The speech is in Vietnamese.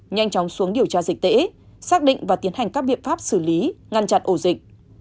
nhanh chóng xuống điều tra dịch tễ xác định và tiến hành các biện pháp xử lý ngăn chặn ổ dịch